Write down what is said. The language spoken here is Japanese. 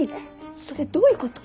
それどういうこと？